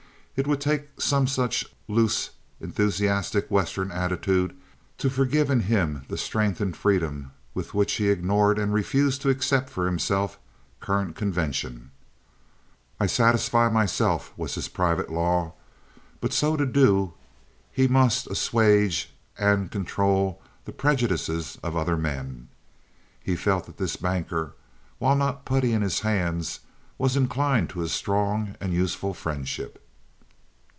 It would take some such loose, enthusiastic Western attitude to forgive in him the strength and freedom with which he ignored and refused to accept for himself current convention. I satisfy myself was his private law, but so to do he must assuage and control the prejudices of other men. He felt that this banker, while not putty in his hands, was inclined to a strong and useful friendship.